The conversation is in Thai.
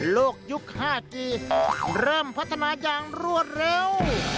โลกยุคห้ากีเริ่มพัฒนาอย่างรวดเร็ว